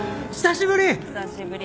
久しぶり。